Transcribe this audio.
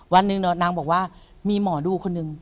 วันหนึ่งนางบอกว่ามีหมอดูคนหนึ่ง